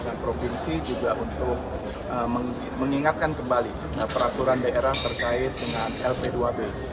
pemerintah provinsi juga untuk mengingatkan kembali peraturan daerah terkait dengan lp dua b